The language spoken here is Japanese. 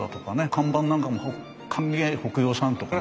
看板なんかも「歓迎北洋さん」とかね。